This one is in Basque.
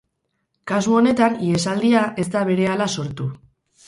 Kasu honetan ihesaldia ez da berehala sortu.